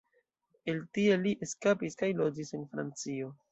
El tie li eskapis kaj loĝis en Francio.